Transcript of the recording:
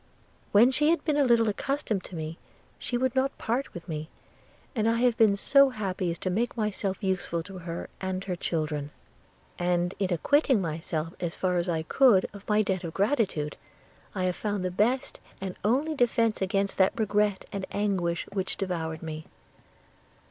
When she had been a little accustomed to me, she would not part with me; I have been so happy as to make myself useful to her and her children; and in acquitting myself as far as I could of my debt of gratitude, I have found the best and only defence against that regret and anguish which devoured me.